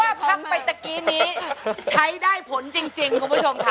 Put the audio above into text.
ถ้าพังไปตะกี้นี้ใช้ได้ผลจริงคุณผู้ชมค่ะ